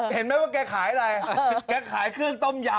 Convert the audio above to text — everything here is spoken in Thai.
เห็นไหมว่าแกขายอะไรแกขายเครื่องต้มยำ